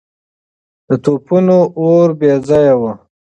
د توپونو اور بې ځایه و.